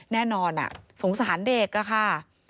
แน่นอนสงสารเด็กอะค่ะ